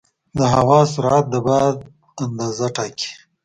د هوا سرعت د باد اندازه ټاکي.